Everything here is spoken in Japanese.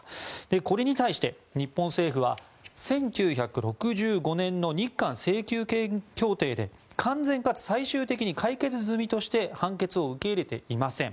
これに対して日本政府は１９６５年の日韓請求権協定で完全かつ最終的に解決済みとして判決を受け入れていません。